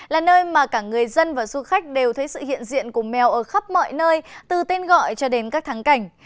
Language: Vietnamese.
là nơi mà cả người dân và du khách đều thấy sự hiện diện của mèo ở khắp mọi nơi từ tên gọi cho đến các thắng cảnh